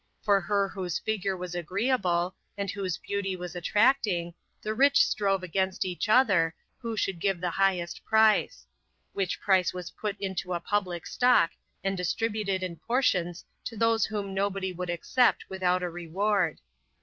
For her whose figure was agreeable, and whose beauty was attracting, the rich strove against each other, who should give the highest price; which price was put into a public stock, and distributed in portions to those whom nobody would accept without a reward.